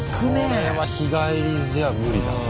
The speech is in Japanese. これは日帰りじゃ無理だね。